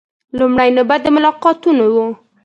لومړۍ نوبت د ملاقاتونو و.